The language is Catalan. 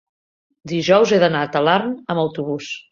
dijous he d'anar a Talarn amb autobús.